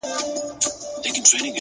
o دا شی په گلونو کي راونغاړه؛